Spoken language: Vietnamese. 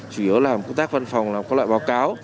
chủ yếu làm công tác văn phòng làm các loại báo cáo